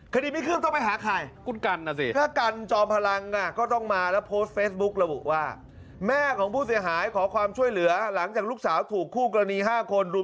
คดีไม่คืบต้องไปหาใคร